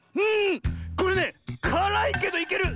これねからいけどいける！